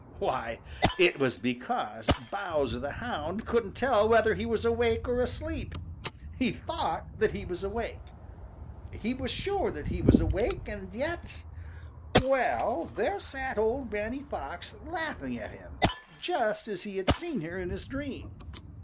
Why, it was because Bowser the Hound couldn't tell whether he was awake or asleep. He thought that he was awake. He was sure that he was awake, and yet well, there sat old Granny Fox laughing at him, just as he had seen her in his dream.